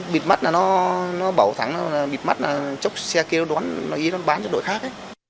bịt mắt là nó bảo thắng bịt mắt là chốc xe kia đoán nó ý đoán bán cho đội khác